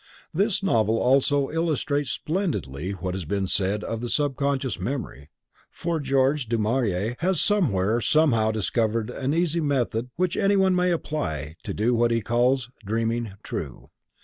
This novel also illustrates splendidly what has been said of the sub conscious memory, for Geo. Du Maurier has somewhere, somehow discovered an easy method which anyone may apply to do what he calls "dreaming true."